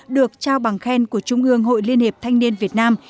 được trao bằng khen của trung ương hội liên hiệp thanh niên việt nam